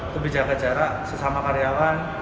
lebih jaga jarak sesama karyawan